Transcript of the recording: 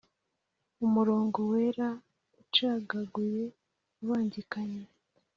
umurongo wera ucagaguye ubangikanye